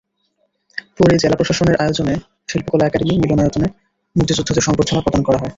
পরে জেলা প্রশাসনের আয়োজনে শিল্পকলা একাডেমি মিলনায়তনে মুক্তিযোদ্ধাদের সংবর্ধনা প্রদান করা হয়।